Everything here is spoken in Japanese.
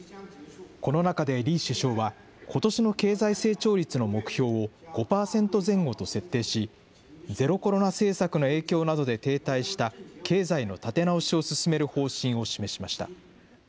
この中で李首相は、ことしの経済成長率の目標を５％前後と設定し、ゼロコロナ政策の影響などで、停滞した経済の立て直しを進める方針を示しました。